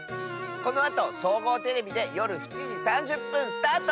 このあとそうごうテレビでよる７じ３０ぷんスタート！